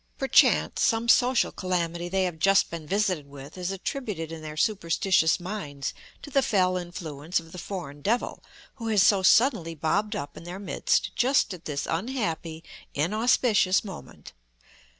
Perchance some social calamity they have just been visited with, is attributed in their superstitious minds to the fell influence of the foreign devil, who has so suddenly bobbed up in their midst just at this unhappy, inauspicious moment.